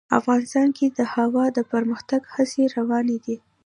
افغانستان کې د هوا د پرمختګ هڅې روانې دي.